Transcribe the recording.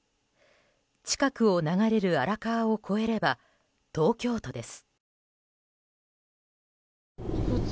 近くを流れる荒川を越えれば東京都です。